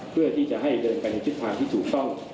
เพื่อที่จะให้เดินไปในทิศทางที่ถูกต้อง